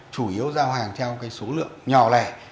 chủ yếu giao hàng theo cái số lượng nhỏ lẻ